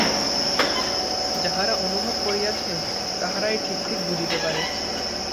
যাহারা অনুভব করিয়াছে, তাহারাই ঠিক ঠিক বুঝিতে পারে।